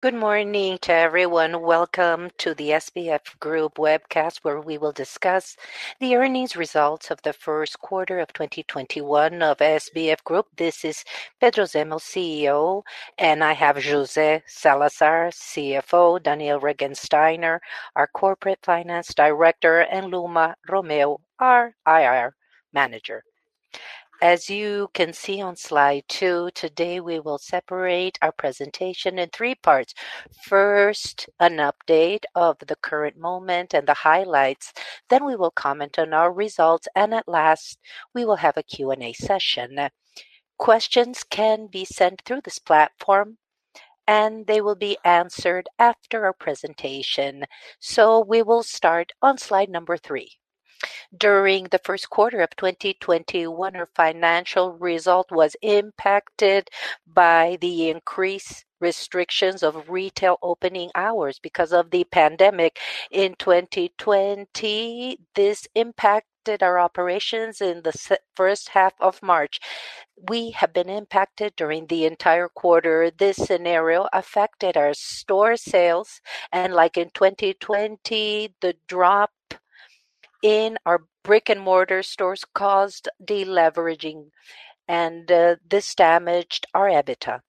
Good morning to everyone. Welcome to the Grupo SBF webcast, where we will discuss the earnings results of the first quarter of 2021 of Grupo SBF. This is Pedro Zemel, CEO, and I have José Salazar, CFO, Daniel Regensteiner, our Corporate Finance Director, and Luna Romeu, our IR Manager. As you can see on slide two, today we will separate our presentation in three parts. First, an update of the current moment and the highlights. We will comment on our results. At last, we will have a Q&A session. Questions can be sent through this platform, and they will be answered after our presentation. We will start on slide number three. During the first quarter of 2021, our financial result was impacted by the increased restrictions of retail opening hours because of the pandemic in 2020. This impacted our operations in the first half of March. We have been impacted during the entire quarter. This scenario affected our store sales, and like in 2020, the drop in our brick-and-mortar stores caused deleveraging, and this damaged our EBITDA.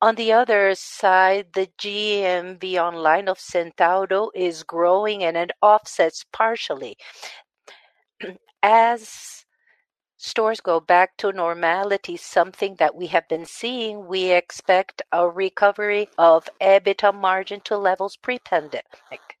On the other side, the GMV online of Centauro is growing and it offsets partially. As stores go back to normality, something that we have been seeing, we expect a recovery of EBITDA margin to levels pre-pandemic.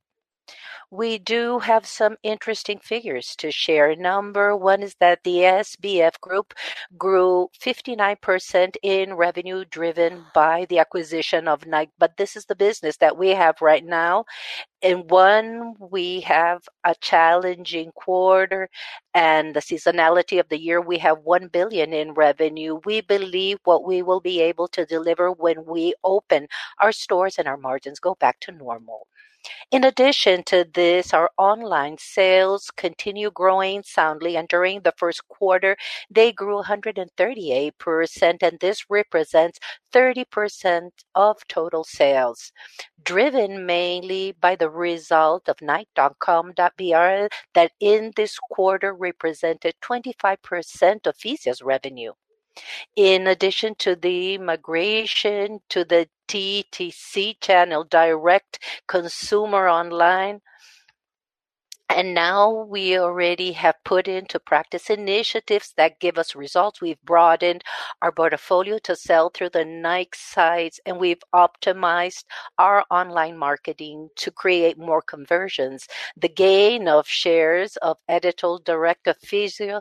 We do have some interesting figures to share. Number one is that the Grupo SBF grew 59% in revenue driven by the acquisition of Nike. This is the business that we have right now. In one, we have a challenging quarter and the seasonality of the year. We have 1 billion in revenue. We believe what we will be able to deliver when we open our stores and our margins go back to normal. In addition to this, our online sales continue growing soundly, and during the first quarter, they grew 138%, and this represents 30% of total sales, driven mainly by the result of nike.com.br that in this quarter represented 25% of Fisia's revenue. In addition to the migration to the DTC channel direct consumer online, and now we already have put into practice initiatives that give us results. We've broadened our portfolio to sell through the Nike sites, and we've optimized our online marketing to create more conversions. The gain of shares of Editorial Directa Fisia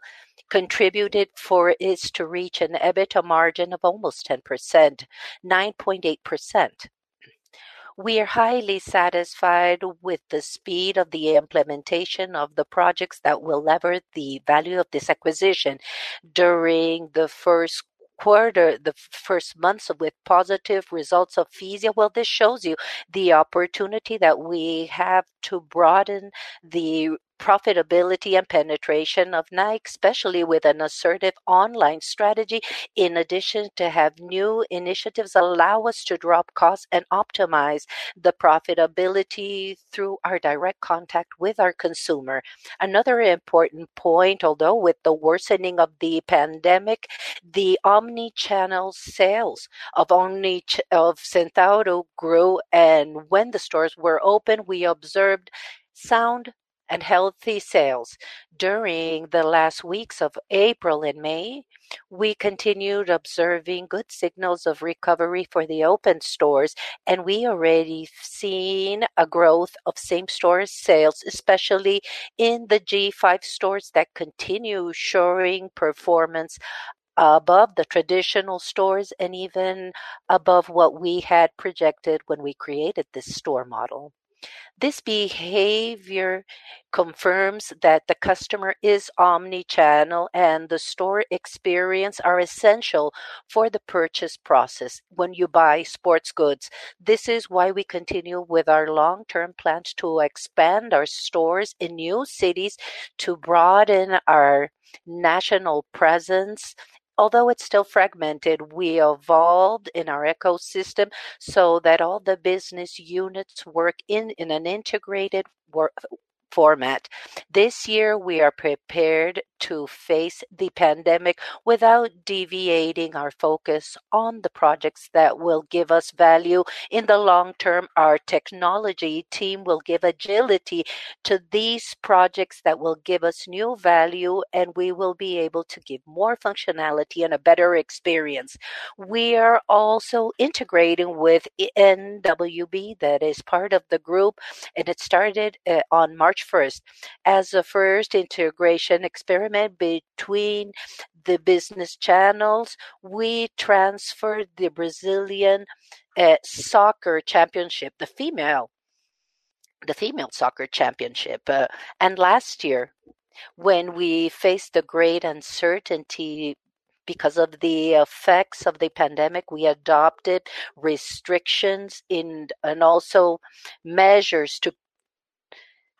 contributed for it to reach an EBITDA margin of almost 10%, 9.8%. We are highly satisfied with the speed of the implementation of the projects that will lever the value of this acquisition during the first quarter, the first months with positive results of Fisia. Well, this shows you the opportunity that we have to broaden the profitability and penetration of Nike, especially with an assertive online strategy. To have new initiatives allow us to drop costs and optimize the profitability through our direct contact with our consumer. Another important point, although with the worsening of the pandemic, the omnichannel sales of Centauro grew, and when the stores were open, we observed sound and healthy sales. During the last weeks of April and May, we continued observing good signals of recovery for the open stores, and we already have seen a growth of same-store sales, especially in the G5 stores that continue showing performance above the traditional stores and even above what we had projected when we created this store model. This behavior confirms that the customer is omni-channel, and the store experience are essential for the purchase process when you buy sports goods. This is why we continue with our long-term plans to expand our stores in new cities to broaden our national presence. Although it's still fragmented, we evolved in our ecosystem so that all the business units work in an integrated format. This year, we are prepared to face the pandemic without deviating our focus on the projects that will give us value. In the long term, our technology team will give agility to these projects that will give us new value, and we will be able to give more functionality and a better experience. We are also integrating with NWB. That is part of the group, and it started on March 1st. As a first integration experiment between the business channels, we transferred the Brazilian Soccer Championship, the female soccer championship. Last year, when we faced the great uncertainty because of the effects of the pandemic, we adopted restrictions and also measures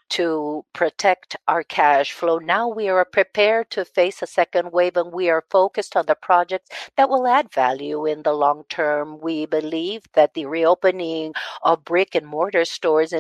to protect our cash flow. Now we are prepared to face a second wave, and we are focused on the projects that will add value in the long term. We believe that the reopening of brick-and-mortar stores even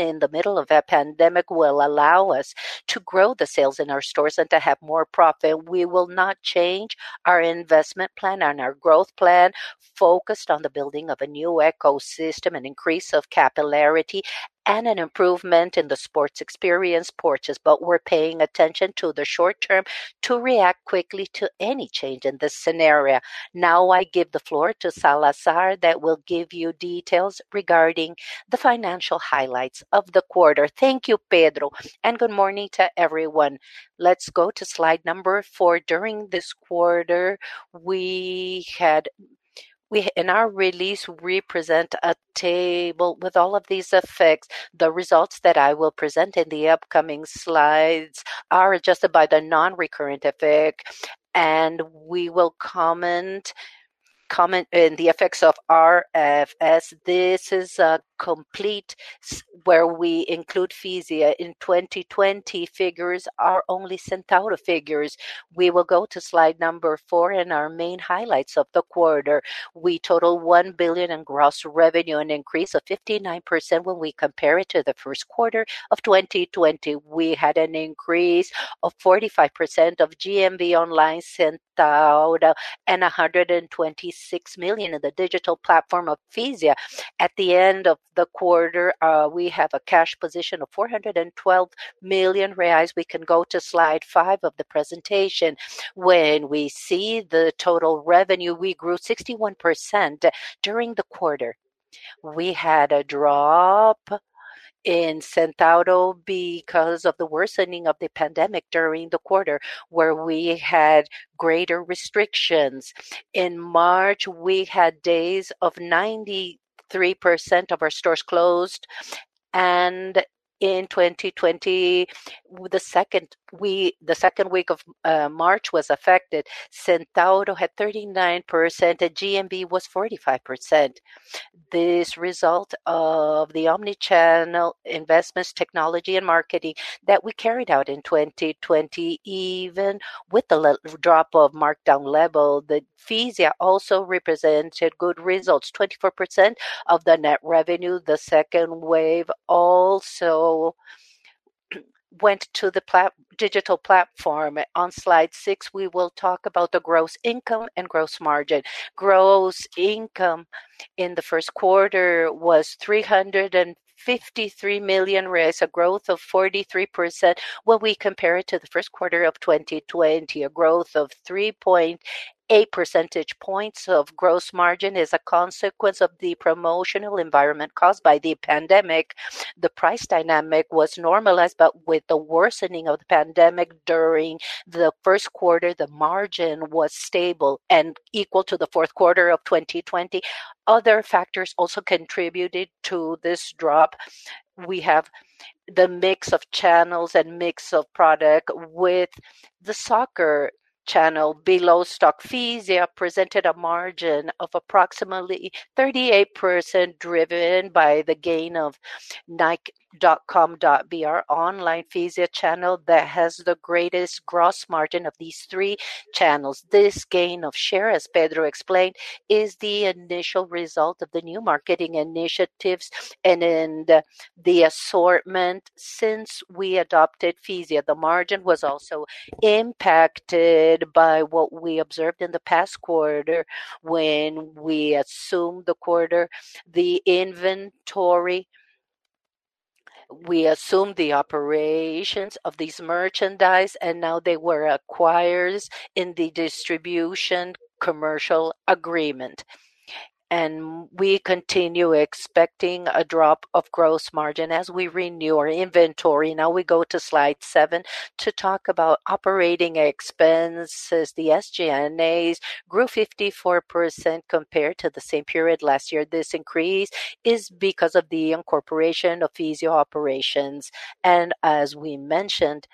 in the middle of a pandemic will allow us to grow the sales in our stores and to have more profit. We will not change our investment plan and our growth plan focused on the building of a new ecosystem and increase of capillarity and an improvement in the sports experience purchase. We're paying attention to the short term to react quickly to any change in the scenario. Now I give the floor to Salazar, that will give you details regarding the financial highlights of the quarter. Thank you, Pedro, and good morning to everyone. Let's go to slide four. During this quarter, we, in our release, represent a table with all of these effects. The results that I will present in the upcoming slides are adjusted by the non-recurrent effect, and we will comment on the effects of RFS. This is a complete where we include Fisia in 2020. Figures are only Centauro figures. We will go to slide four and our main highlights of the quarter. We total 1 billion in gross revenue, an increase of 59% when we compare it to the first quarter of 2020. We had an increase of 45% of GMV online Centauro and 126 million in the digital platform of Fisia. At the end of the quarter, we have a cash position of 412 million reais. We can go to slide five of the presentation. When we see the total revenue, we grew 61% during the quarter. We had a drop in Centauro because of the worsening of the pandemic during the quarter where we had greater restrictions. In March, we had days of 93% of our stores closed, and in 2020, the second week of March was affected. Centauro had 39% and GMV was 45%. This result of the omni-channel investments, technology, and marketing that we carried out in 2020, even with the drop of markdown level, the Fisia also represented good results, 24% of the net revenue. The second wave also went to the digital platform. On slide six, we will talk about the gross income and gross margin. Gross income in the first quarter was 353 million, a growth of 43% when we compare it to the first quarter of 2020. A growth of 3.8 percentage points of gross margin is a consequence of the promotional environment caused by the pandemic. The price dynamic was normalized, but with the worsening of the pandemic during the first quarter, the margin was stable and equal to the fourth quarter of 2020. Other factors also contributed to this drop. We have the mix of channels and mix of product with the soccer channel below stock. Fisia presented a margin of approximately 38%, driven by the gain of nike.com.br online Fisia channel that has the greatest gross margin of these three channels. This gain of share, as Pedro explained, is the initial result of the new marketing initiatives and in the assortment. Since we adopted Fisia, the margin was also impacted by what we observed in the past quarter when we assumed the quarter. The inventory, we assumed the operations of these merchandise, now they were acquired in the distribution commercial agreement. We continue expecting a drop of gross margin as we renew our inventory. Now we go to slide seven to talk about operating expenses. The SG&As grew 54% compared to the same period last year. This increase is because of the incorporation of Fisia operations. As we mentioned,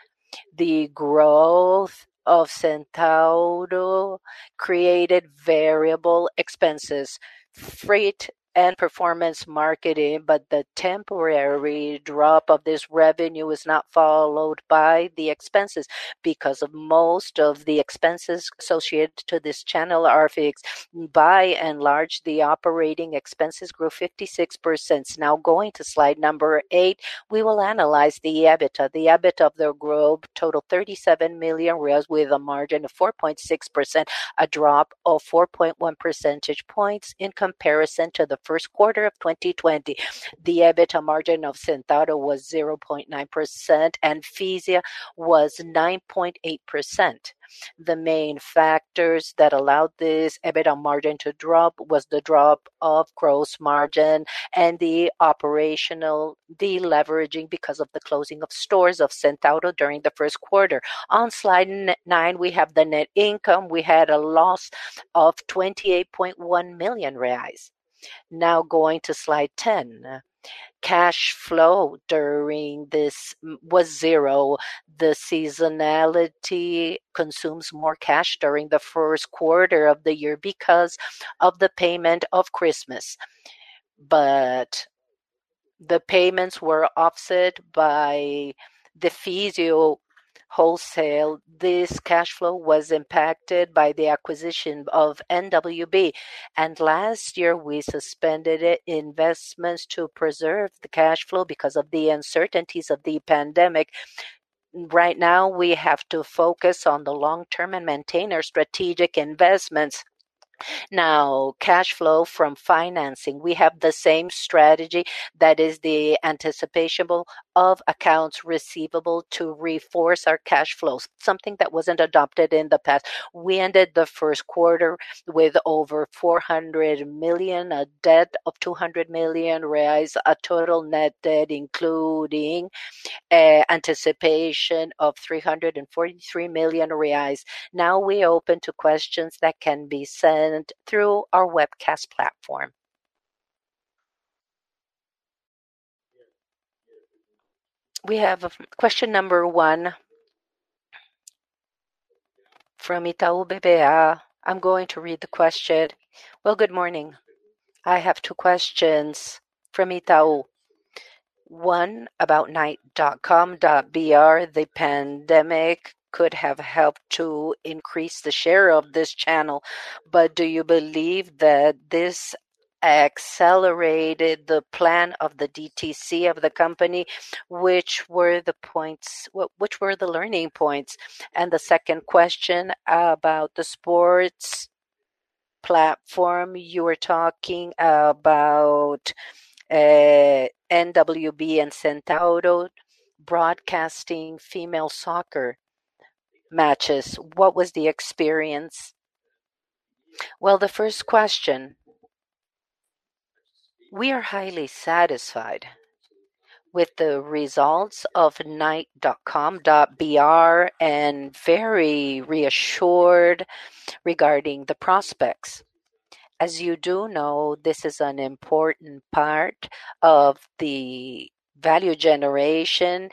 the growth of Centauro created variable expenses, freight and performance marketing. The temporary drop of this revenue is not followed by the expenses because most of the expenses associated to this channel are fixed. By and large, the operating expenses grew 56%. Now going to slide number eight, we will analyze the EBITDA. The EBITDA of the group total 37 million reais with a margin of 4.6%, a drop of 4.1 percentage points in comparison to the first quarter of 2020. The EBITDA margin of Centauro was 0.9% and Fisia was 9.8%. The main factors that allowed this EBITDA margin to drop was the drop of gross margin and the operational deleveraging because of the closing of stores of Centauro during the first quarter. On slide nine, we have the net income. We had a loss of 28.1 million reais. Now going to slide 10. Cash flow during this was zero. The seasonality consumes more cash during the first quarter of the year because of the payment of Christmas. The payments were offset by the Fisia wholesale. This cash flow was impacted by the acquisition of NWB. Last year, we suspended investments to preserve the cash flow because of the uncertainties of the pandemic. Right now, we have to focus on the long term and maintain our strategic investments. Cash flow from financing. We have the same strategy that is the anticipation of accounts receivable to reinforce our cash flows, something that wasn't adopted in the past. We ended the first quarter with over 400 million, a debt of 200 million, a total net debt, including anticipation of 343 million reais. We are open to questions that can be sent through our webcast platform. We have question number one from Itaú BBA. I'm going to read the question. "Good morning. I have two questions from Itaú. One about nike.com.br. The pandemic could have helped to increase the share of this channel, do you believe that this accelerated the plan of the DTC of the company? Which were the learning points? The second question about the sports platform. You were talking about NWB and Centauro broadcasting female soccer matches. What was the experience? Well, the first question, we are highly satisfied with the results of nike.com.br and very reassured regarding the prospects. As you do know, this is an important part of the value generation.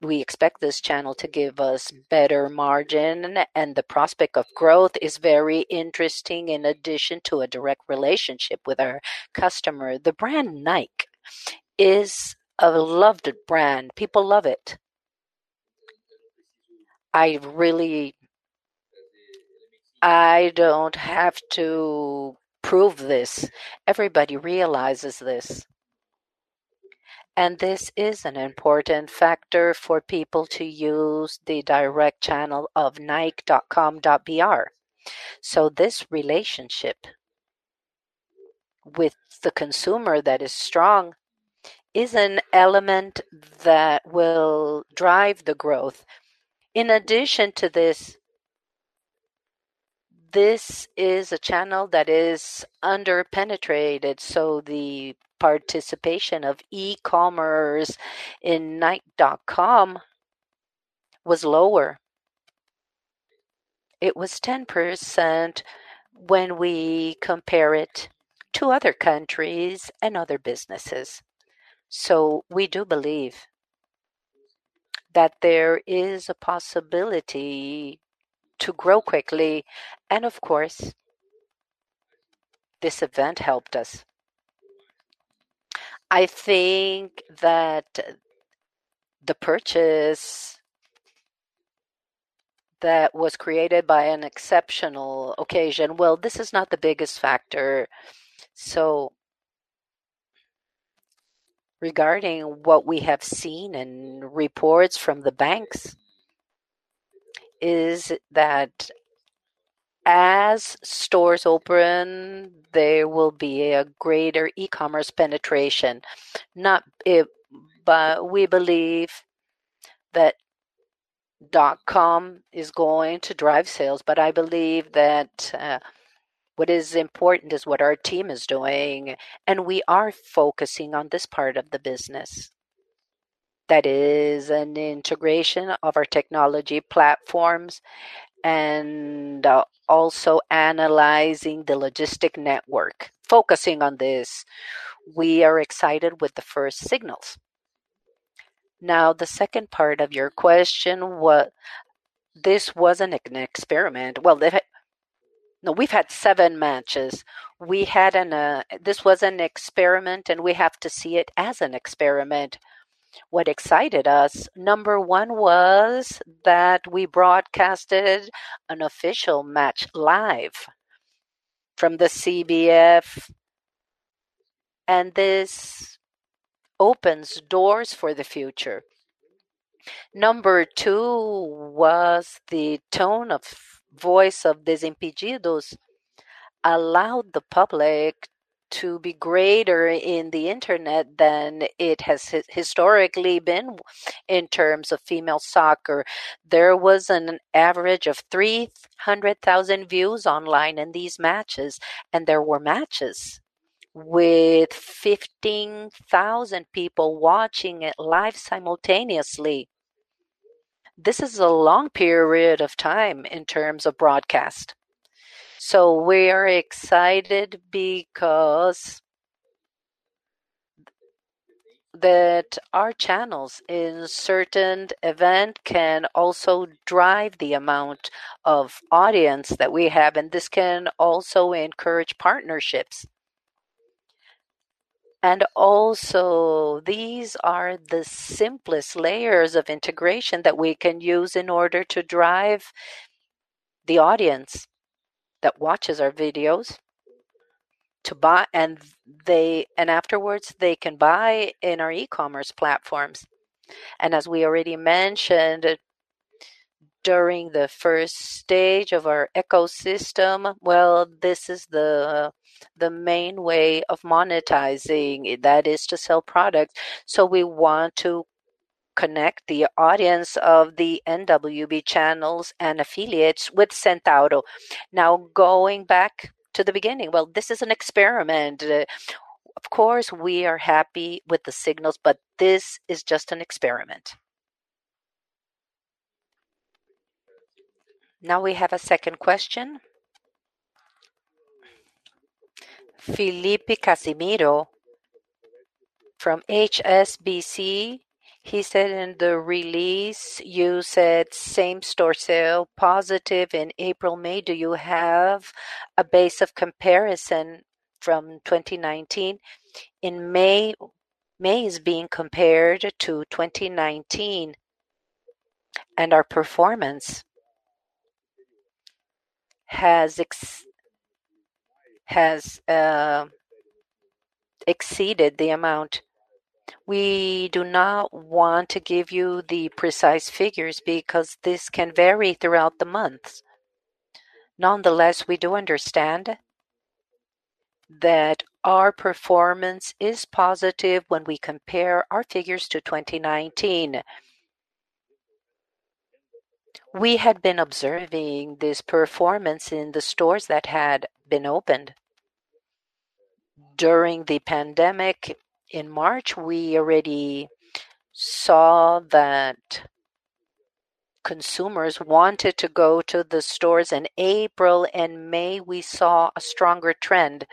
We expect this channel to give us better margin, the prospect of growth is very interesting in addition to a direct relationship with our customer. The brand Nike is a loved brand. People love it. I don't have to prove this. Everybody realizes this. This is an important factor for people to use the direct channel of nike.com.br. This relationship with the consumer that is strong is an element that will drive the growth. In addition to this is a channel that is under-penetrated, so the participation of e-commerce in nike.com was lower. It was 10% when we compare it to other countries and other businesses. We do believe that there is a possibility to grow quickly, and of course, this event helped us. I think that the purchase that was created by an exceptional occasion, well, this is not the biggest factor. Regarding what we have seen in reports from the banks is that as stores open, there will be a greater e-commerce penetration. We believe that .com is going to drive sales, but I believe that what is important is what our team is doing, and we are focusing on this part of the business. That is an integration of our technology platforms and also analyzing the logistic network. Focusing on this, we are excited with the first signals. The second part of your question, this was an experiment. Well, no, we've had seven matches. This was an experiment, and we have to see it as an experiment. What excited us, number one, was that we broadcasted an official match live from the CBF, and this opens doors for the future. Number two was the tone of voice of Desimpedidos allowed the public to be greater on the internet than it has historically been in terms of female soccer. There was an average of 300,000 views online in these matches, and there were matches with 15,000 people watching it live simultaneously. This is a long period of time in terms of broadcast. We're excited because our channels in certain events can also drive the amount of audience that we have, and this can also encourage partnerships. Also, these are the simplest layers of integration that we can use in order to drive the audience that watches our videos to buy, and afterwards they can buy in our e-commerce platforms. As we already mentioned, during the stage one of our ecosystem, well, this is the main way of monetizing, that is to sell product. We want to connect the audience of the NWB channels and affiliates with Centauro. Going back to the beginning, well, this is an experiment. Of course, we are happy with the signals, but this is just an experiment. We have a second question. Felipe Casimiro from HSBC. He said, "In the release, you said same-store sale positive in April, May. Do you have a base of comparison from 2019? In May is being compared to 2019, our performance has exceeded the amount. We do not want to give you the precise figures because this can vary throughout the months. Nonetheless, we do understand that our performance is positive when we compare our figures to 2019. We had been observing this performance in the stores that had been opened during the pandemic. In March, we already saw that consumers wanted to go to the stores. In April and May, we saw a stronger trend.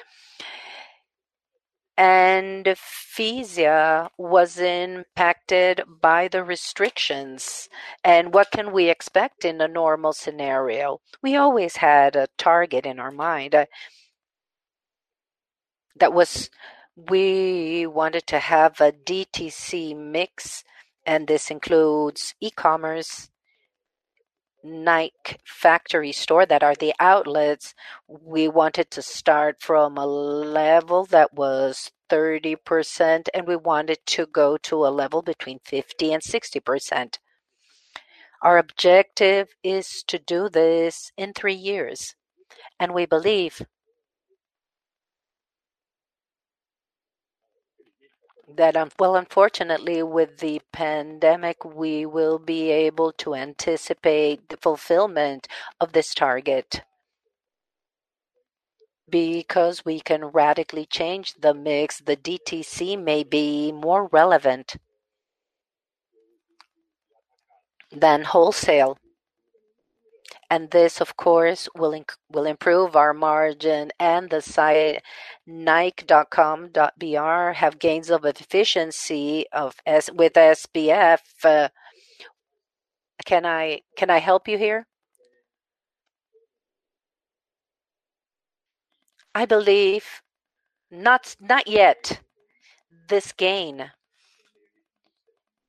Fisia was impacted by the restrictions. What can we expect in a normal scenario? We always had a target in our mind. We wanted to have a DTC mix, and this includes e-commerce, Nike Factory Store that are the outlets. We wanted to start from a level that was 30%. We wanted to go to a level between 50% and 60%. Our objective is to do this in three years. We believe that, well, unfortunately, with the pandemic, we will be able to anticipate the fulfillment of this target because we can radically change the mix. The DTC may be more relevant than wholesale. This, of course, will improve our margin and the site nike.com.br have gains of efficiency with SBF. Can I help you here? I believe, not yet. This gain,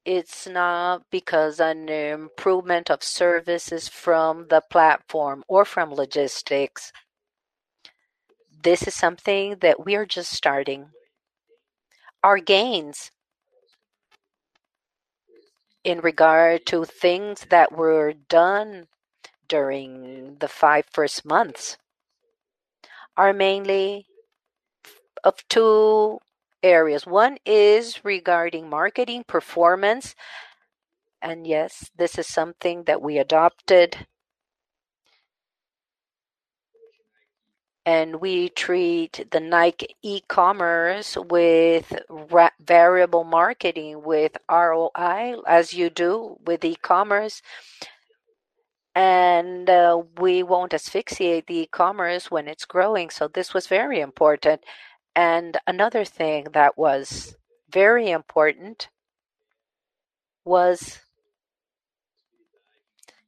it's not because an improvement of services from the platform or from logistics. This is something that we are just starting. Our gains in regard to things that were done during the five first months are mainly of two areas. One is regarding marketing performance. Yes, this is something that we adopted. We treat the Nike e-commerce with variable marketing, with ROI, as you do with e-commerce. We won't asphyxiate the e-commerce when it's growing. This was very important. Another thing that was very important was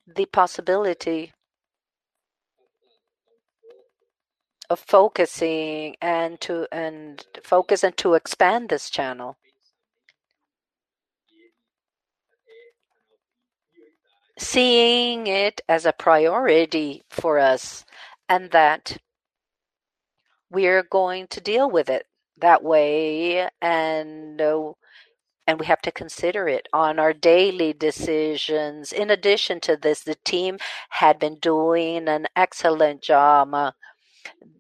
the possibility of focusing and to expand this channel. Seeing it as a priority for us, and that we're going to deal with it that way, and we have to consider it on our daily decisions. In addition to this, the team had been doing an excellent job.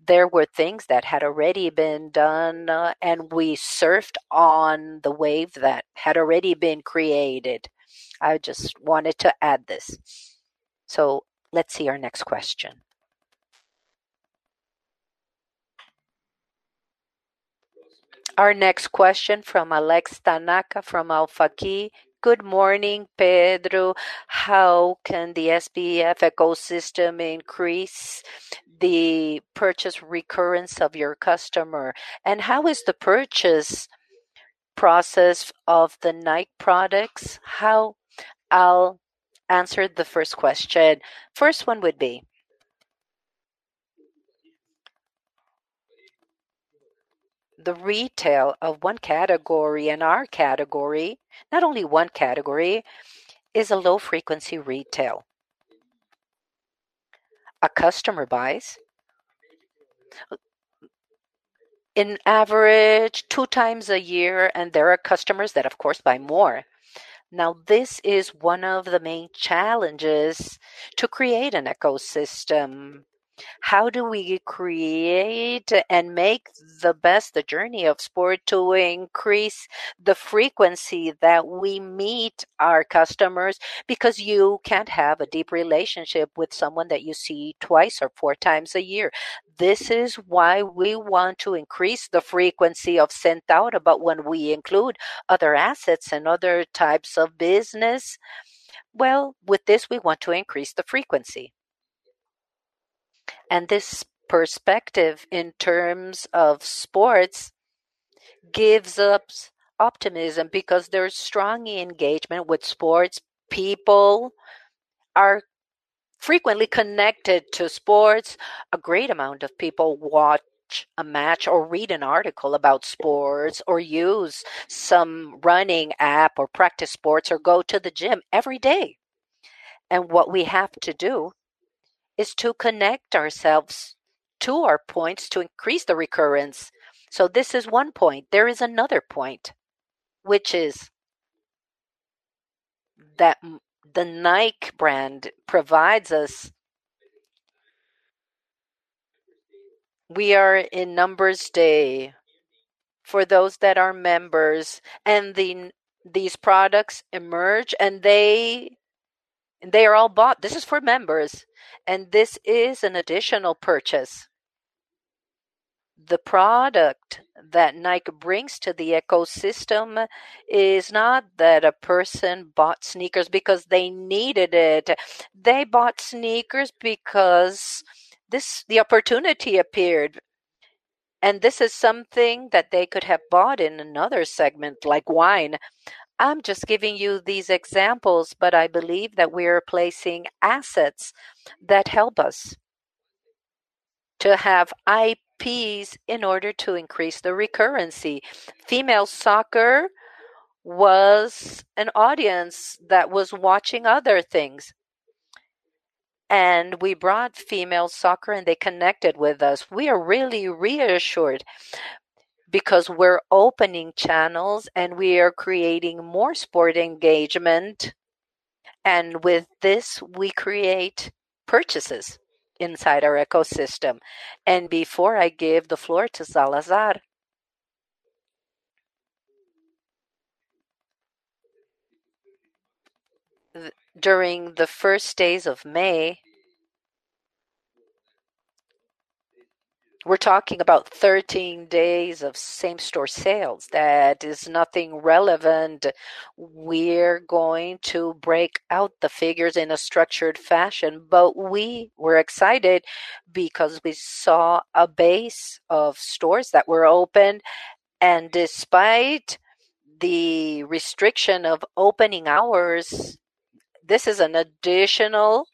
There were things that had already been done, and we surfed on the wave that had already been created. I just wanted to add this. Let's see our next question. Our next question from Alex Tanaka from AlphaKey. "Good morning, Pedro. How can the SBF ecosystem increase the purchase recurrence of your customer? How is the purchase process of the Nike products? I'll answer the first question. First one would be the retail of one category and our category, not only one category, is a low-frequency retail. A customer buys in average two times a year, and there are customers that, of course, buy more. This is one of the main challenges to create an ecosystem. How do we create and make the best the journey of sport to increase the frequency that we meet our customers? You can't have a deep relationship with someone that you see twice or four times a year. This is why we want to increase the frequency of Centauro. When we include other assets and other types of business, well, with this, we want to increase the frequency. This perspective in terms of sports gives us optimism because there's strong engagement with sports. People are frequently connected to sports. A great amount of people watch a match or read an article about sports, or use some running app, or practice sports, or go to the gym every day. What we have to do is to connect ourselves to our points to increase the recurrence. This is one point. There is another point, which is that the Nike brand provides us. We are in SNKRS Day for those that are members, and these products emerge, and they are all bought. This is for members, and this is an additional purchase. The product that Nike brings to the ecosystem is not that a person bought sneakers because they needed it. They bought sneakers because the opportunity appeared, and this is something that they could have bought in another segment, like wine. I'm just giving you these examples, but I believe that we are placing assets that help us to have IPs in order to increase the recurrency. Female soccer was an audience that was watching other things, and we brought female soccer, and they connected with us. We are really reassured because we're opening channels, and we are creating more sport engagement, and with this, we create purchases inside our ecosystem. Before I give the floor to Salazar. During the first days of May, we're talking about 13 days of same-store sales. That is nothing relevant. We're going to break out the figures in a structured fashion. We were excited because we saw a base of stores that were open, and despite the restriction of opening hours, this is an additional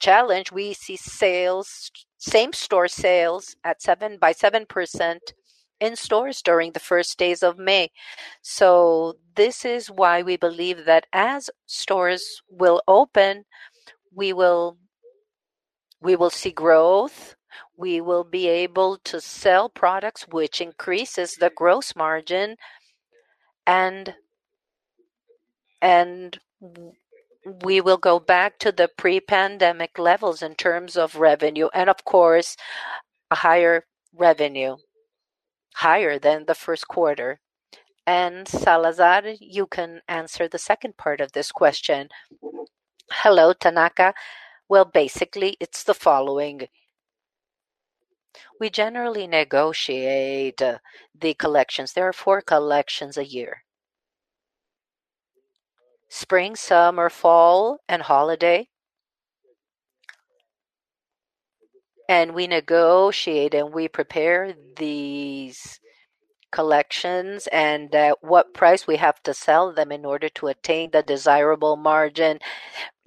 challenge. We see same-store sales by 7% in stores during the first days of May. This is why we believe that as stores will open, we will see growth, we will be able to sell products, which increases the gross margin, and we will go back to the pre-pandemic levels in terms of revenue, and, of course, a higher revenue, higher than the first quarter. Salazar, you can answer the second part of this question. Hello, Tanaka. Well, basically, it's the following. We generally negotiate the collections. There are four collections a year: spring, summer, fall, and holiday. We negotiate, and we prepare these collections and at what price we have to sell them in order to attain the desirable margin.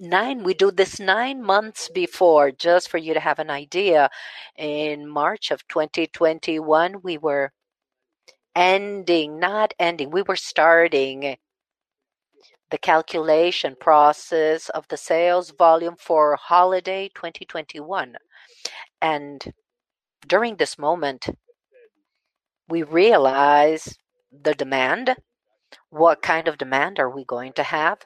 We do this nine months before, just for you to have an idea. In March of 2021, we were Not ending, we were starting the calculation process of the sales volume for holiday 2021. During this moment, we realize the demand, what kind of demand are we going to have,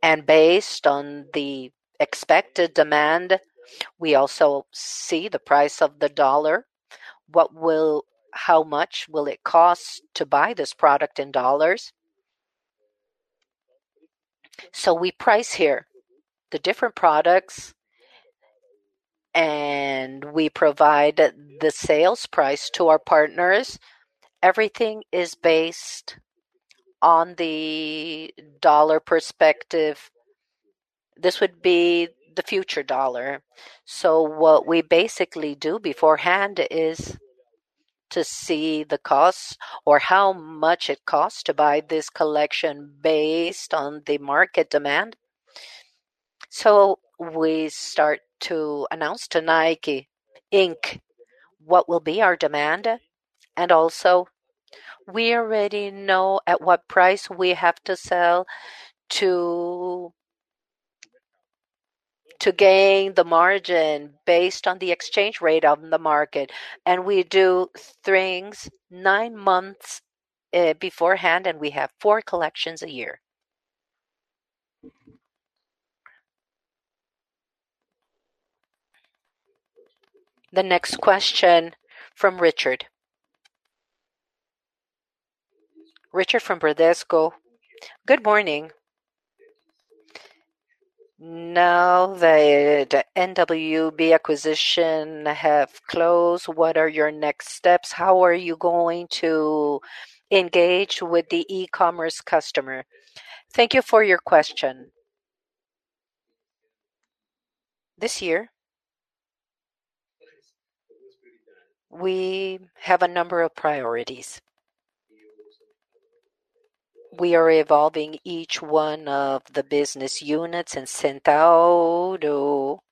and based on the expected demand, we also see the price of the U.S. dollar. How much will it cost to buy this product in U.S. dollars? We price here the different products, and we provide the sales price to our partners. Everything is based on the U.S. dollar perspective. This would be the future U.S. dollar. What we basically do beforehand is to see the costs or how much it costs to buy this collection based on the market demand. We start to announce to Nike, Inc. What will be our demand, and also we already know at what price we have to sell to gain the margin based on the exchange rate on the market. We do things nine months beforehand, we have four collections a year. The next question from Richard. Richard from Bradesco. Good morning. Now that NWB acquisition have closed, what are your next steps? How are you going to engage with the e-commerce customer? Thank you for your question. This year, we have a number of priorities. We are evolving each one of the business units, and Centauro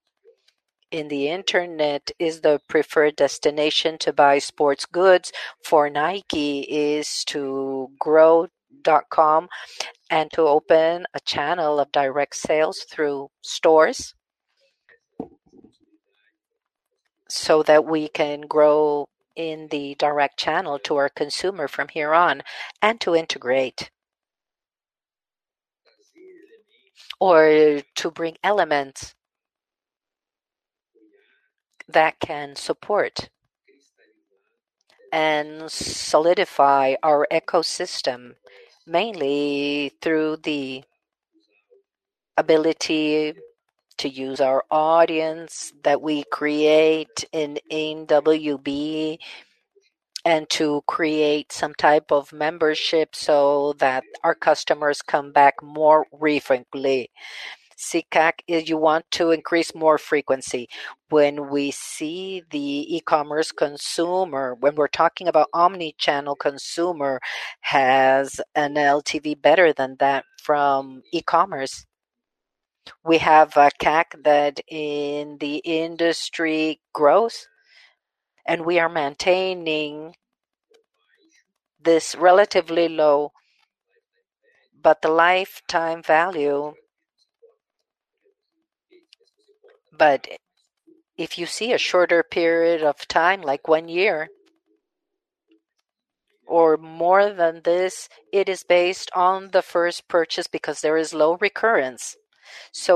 in the internet is the preferred destination to buy sports goods for Nike is to grow .com and to open a channel of direct sales through stores so that we can grow in the direct channel to our consumer from here on and to integrate or to bring elements that can support and solidify our ecosystem, mainly through the ability to use our audience that we create in NWB and to create some type of membership so that our customers come back more frequently. You want to increase more frequency. When we see the e-commerce consumer, when we're talking about omni-channel consumer has an LTV better than that from e-commerce. We have a CAC that in the industry growth, and we are maintaining this relatively low. If you see a shorter period of time, like one year or more than this, it is based on the first purchase because there is low recurrence.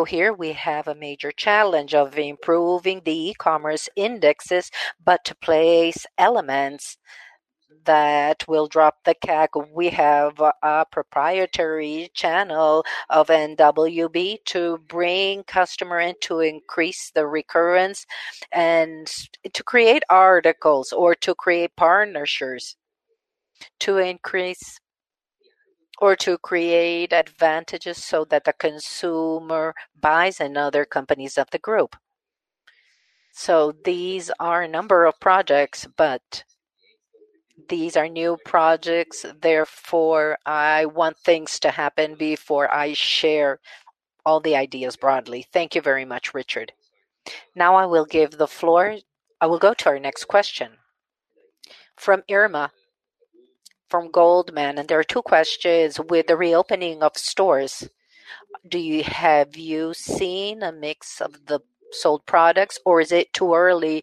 Here we have a major challenge of improving the e-commerce indexes, but to place elements that will drop the CAC. We have a proprietary channel of NWB to bring customer in to increase the recurrence and to create articles or to create partnerships to increase or to create advantages so that the consumer buys in other companies of the group. These are a number of projects, but these are new projects. I want things to happen before I share all the ideas broadly. Thank you very much, Richard. Now I will go to our next question. From Irma from Goldman, and there are two questions. With the reopening of stores, have you seen a mix of the sold products, or is it too early?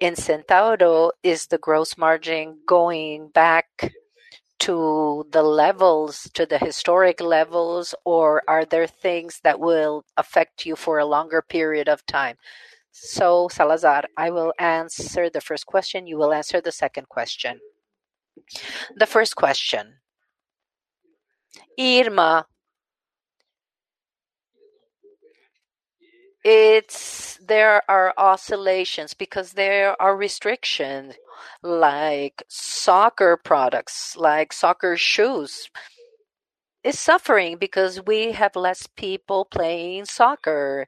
In Centauro, is the gross margin going back to the historic levels, or are there things that will affect you for a longer period of time? Salazar, I will answer the first question. You will answer the second question. The first question. Irma, there are oscillations because there are restrictions, like soccer products, like soccer shoes is suffering because we have less people playing soccer.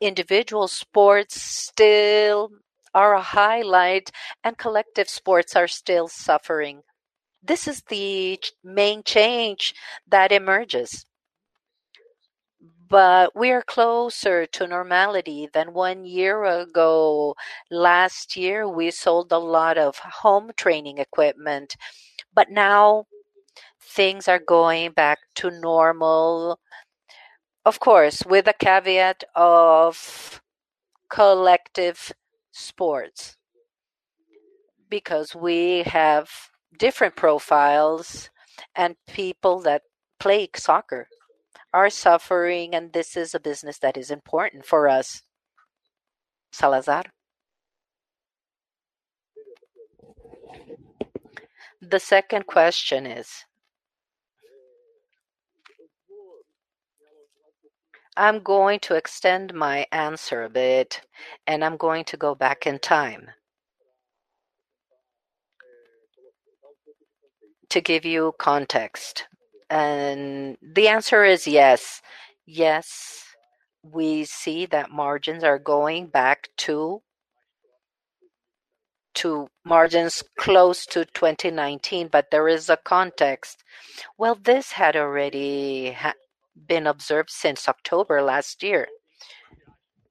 Individual sports still are a highlight, and collective sports are still suffering. This is the main change that emerges. We are closer to normality than one year ago. Last year, we sold a lot of home training equipment, but now things are going back to normal. Of course, with the caveat of collective sports because we have different profiles, and people that play soccer are suffering, and this is a business that is important for us. Salazar. The second question. I'm going to extend my answer a bit, and I'm going to go back in time. To give you context, the answer is yes. Yes, we see that margins are going back to margins close to 2019. There is a context. Well, this had already been observed since October last year.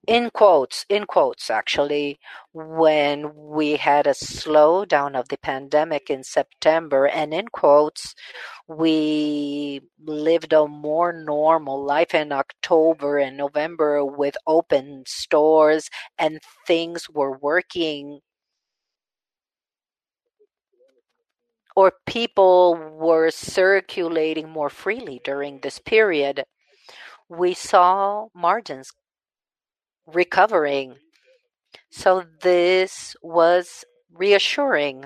In quotes, actually, when we had a slowdown of the pandemic in September, and in quotes, we lived a more normal life in October and November with open stores and things were working, or people were circulating more freely during this period, we saw margins recovering. This was reassuring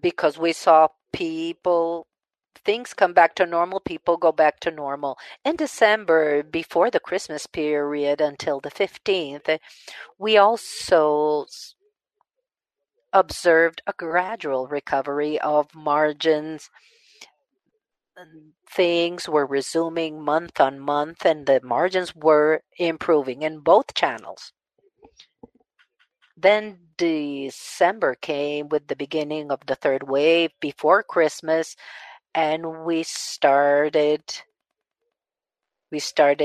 because we saw things come back to normal, people go back to normal. In December, before the Christmas period until the 15th, we also observed a gradual recovery of margins. Things were resuming month-on-month, and the margins were improving in both channels. December came with the beginning of the third wave before Christmas, and we started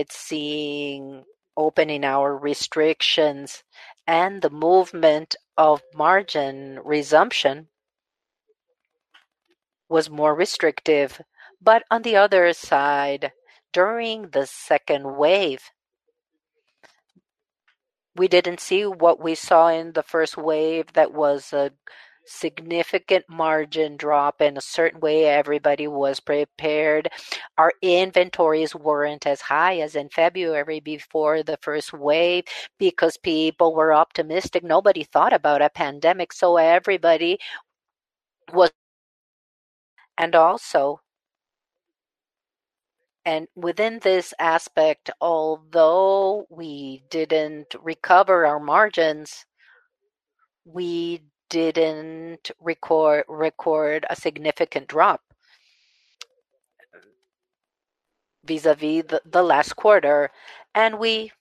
seeing opening hour restrictions, and the movement of margin resumption was more restrictive. On the other side, during the second wave, we didn't see what we saw in the first wave that was a significant margin drop. In a certain way, everybody was prepared. Our inventories weren't as high as in February before the first wave because people were optimistic. Nobody thought about a pandemic. Everybody was. Also, within this aspect, although we didn't recover our margins, we didn't record a significant drop vis-a-vis the last quarter, and we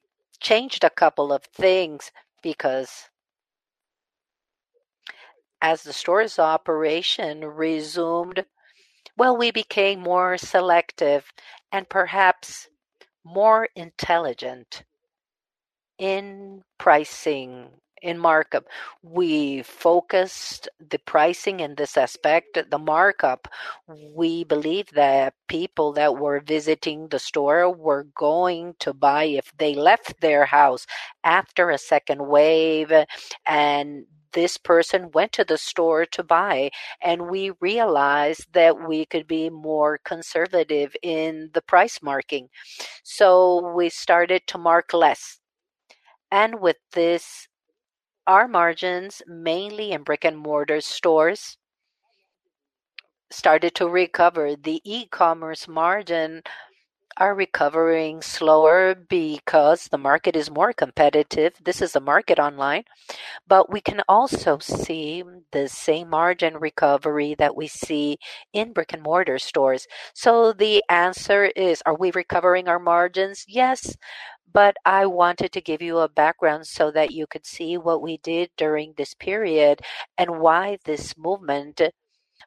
changed a couple of things because as the store's operation resumed, well, we became more selective and perhaps more intelligent in pricing, in markup. We focused the pricing in this aspect, the markup. We believe that people that were visiting the store were going to buy if they left their house after a second wave, and this person went to the store to buy, and we realized that we could be more conservative in the price marking. We started to mark less. With this, our margins, mainly in brick-and-mortar stores, started to recover. The e-commerce margin are recovering slower because the market is more competitive. This is a market online, but we can also see the same margin recovery that we see in brick-and-mortar stores. The answer is, are we recovering our margins? Yes, but I wanted to give you a background so that you could see what we did during this period and why this movement.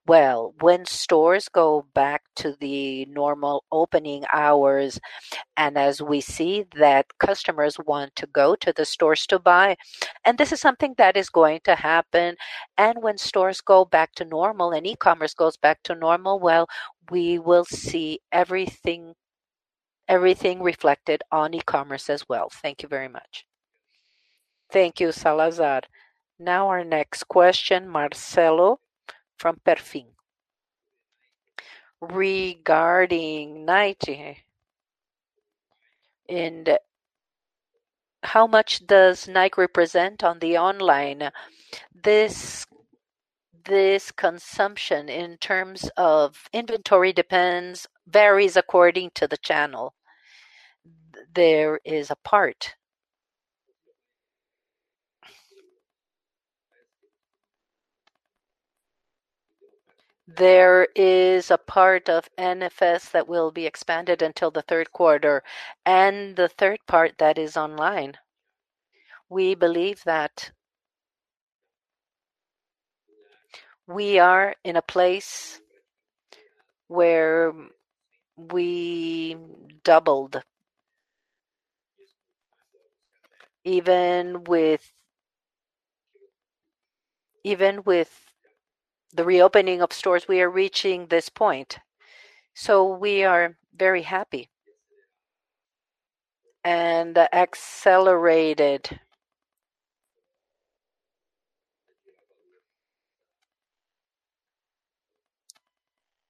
Well, when stores go back to the normal opening hours, and as we see that customers want to go to the stores to buy, and this is something that is going to happen. When stores go back to normal and e-commerce goes back to normal, well, we will see everything reflected on e-commerce as well. Thank you very much. Thank you, Salazar. Now our next question, Marcelo from Perfin. Regarding Nike, and how much does Nike represent on the online? This consumption in terms of inventory depends, varies according to the channel. There is a part of NFS that will be expanded until the third quarter, and the third part that is online. We believe that we are in a place where we doubled. Even with the reopening of stores, we are reaching this point. We are very happy and accelerated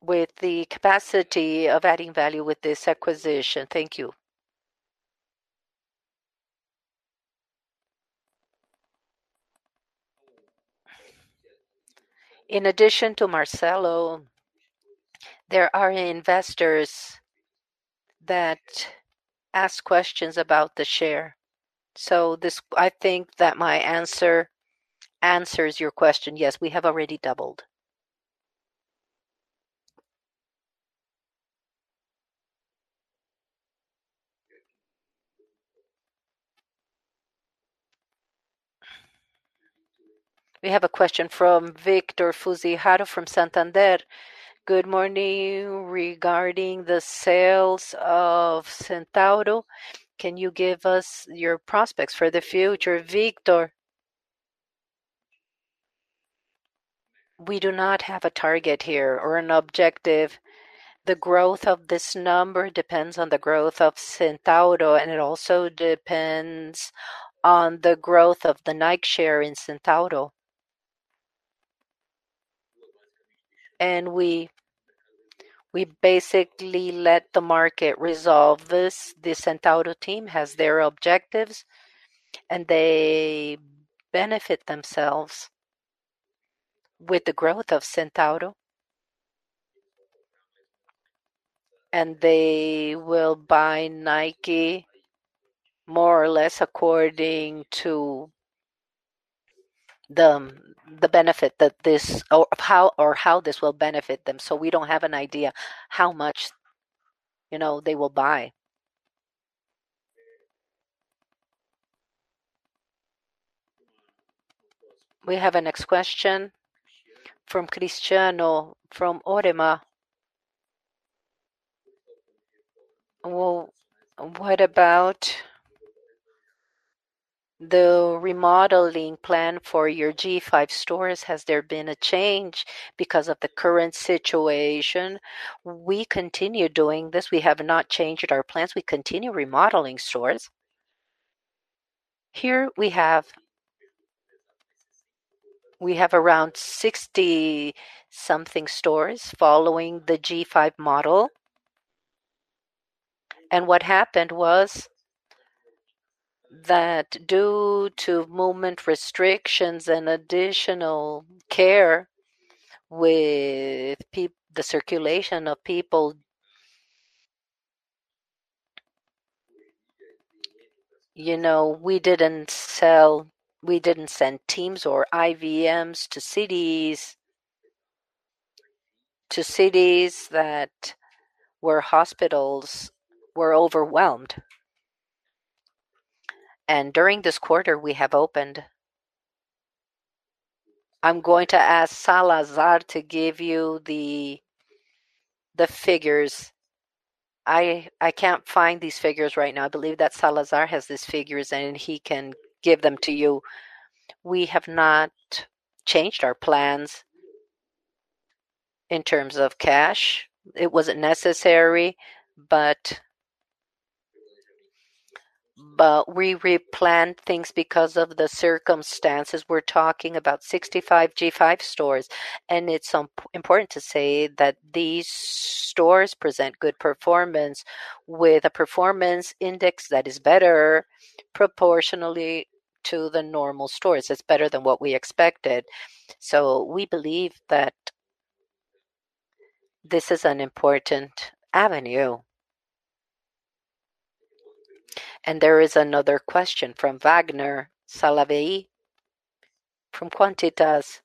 with the capacity of adding value with this acquisition. Thank you. In addition to Marcelo. There are investors that ask questions about the share. I think that my answer answers your question. Yes, we have already doubled. We have a question from Victor Fujihara from Santander. "Good morning. Regarding the sales of Centauro, can you give us your prospects for the future? "Victor'' We do not have a target here or an objective. The growth of this number depends on the growth of Centauro, and it also depends on the growth of the Nike share in Centauro. We basically let the market resolve this. The Centauro team has their objectives, and they benefit themselves with the growth of Centauro. They will buy Nike more or less according to how this will benefit them. We don't have an idea how much they will buy. We have a next question from Cristiano from O'Reilly. "Well, what about the remodeling plan for your G5 stores? Has there been a change because of the current situation?" We continue doing this. We have not changed our plans. We continue remodeling stores. Here, we have around 60-something stores following the G5 model. What happened was that due to movement restrictions and additional care with the circulation of people, we didn't send teams or VMs to cities where hospitals were overwhelmed. During this quarter, we have opened I'm going to ask Salazar to give you the figures. I can't find these figures right now. I believe that Salazar has these figures, and he can give them to you. We have not changed our plans in terms of cash. It wasn't necessary, but we replanned things because of the circumstances. We're talking about 65 G5 stores, and it's important to say that these stores present good performance with a performance index that is better proportionally to the normal stores. It's better than what we expected. We believe that this is an important avenue. There is another question from Wagner Salaverry from Quantitas.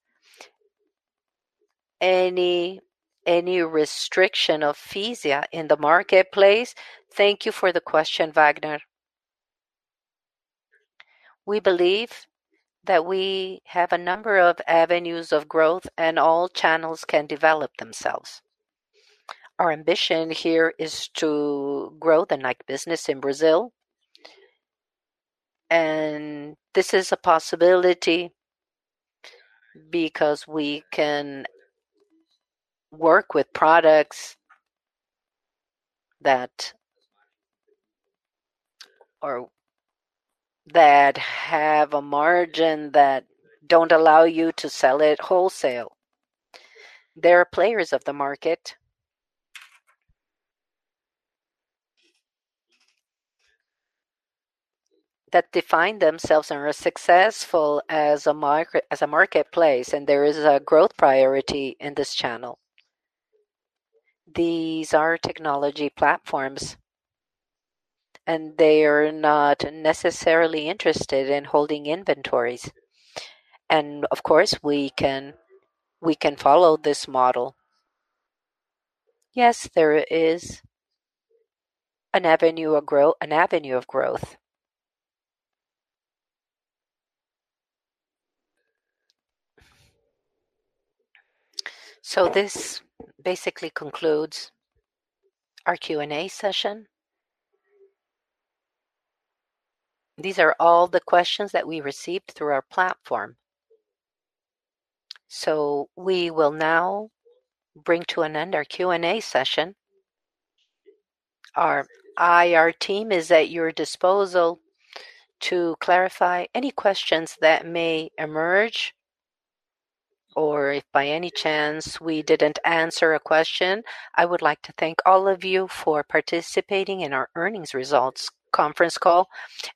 "Any restriction of Fisia in the marketplace?" Thank you for the question, Wagner. We believe that we have a number of avenues of growth, and all channels can develop themselves. Our ambition here is to grow the Nike business in Brazil. This is a possibility because we can work with products that have a margin that don't allow you to sell it wholesale. There are players of the market that define themselves and are successful as a marketplace, and there is a growth priority in this channel. These are technology platforms, and they are not necessarily interested in holding inventories. Of course, we can follow this model. Yes, there is an avenue of growth. This basically concludes our Q&A session. These are all the questions that we received through our platform. We will now bring to an end our Q&A session. Our IR team is at your disposal to clarify any questions that may emerge, or if by any chance we didn't answer a question. I would like to thank all of you for participating in our earnings results conference call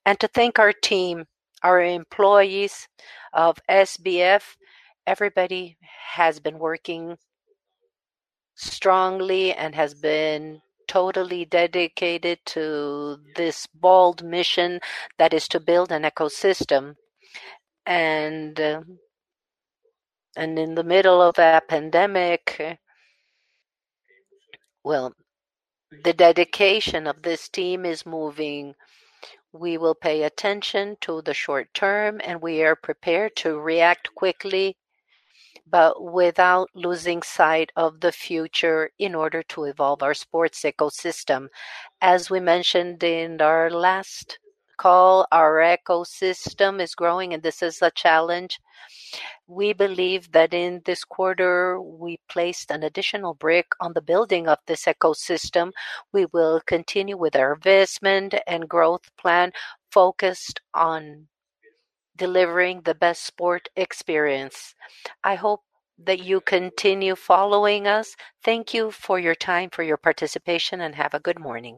and to thank our team, our employees of SBF. Everybody has been working strongly and has been totally dedicated to this bold mission that is to build an ecosystem. In the middle of a pandemic, well, the dedication of this team is moving. We will pay attention to the short term, and we are prepared to react quickly, but without losing sight of the future in order to evolve our sports ecosystem. As we mentioned in our last call, our ecosystem is growing, and this is a challenge. We believe that in this quarter, we placed an additional brick on the building of this ecosystem. We will continue with our investment and growth plan focused on delivering the best sport experience. I hope that you continue following us. Thank you for your time, for your participation, and have a good morning.